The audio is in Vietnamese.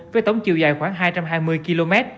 với tổng chiều dài khoảng hai trăm hai mươi km